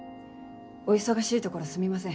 お忙しいところすみません。